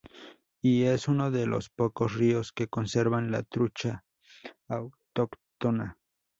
Y es uno de los pocos ríos que conservan la trucha autóctona.